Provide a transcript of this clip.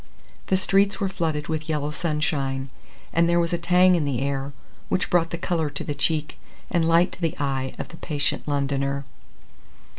The streets were flooded with yellow sunshine, and there was a tang in the air which brought the colour to the cheek and light to the eye of the patient Londoner.